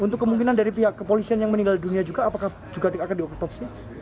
untuk kemungkinan dari pihak kepolisian yang meninggal dunia juga apakah juga akan diotopsi